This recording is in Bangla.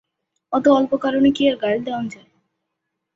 অত অল্প কারণে কি আর গাইল দেওন যায়?